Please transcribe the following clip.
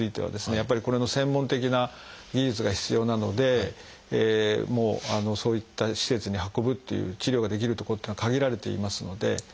やっぱりこれの専門的な技術が必要なのでもうそういった施設に運ぶっていう治療ができるとこっていうのは限られていますので。